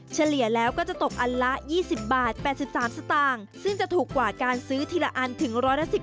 เฉลี่ยแล้วก็จะตกอันละ๒๐บาท๘๓สตางค์ซึ่งจะถูกกว่าการซื้อทีละอันถึง๑๑๐